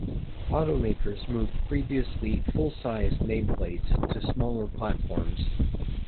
Automakers moved previously "full-size" nameplates to smaller platforms.